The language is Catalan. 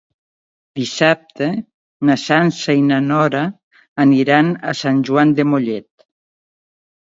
Dissabte na Sança i na Nora aniran a Sant Joan de Mollet.